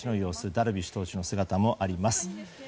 ダルビッシュ投手の姿もあります。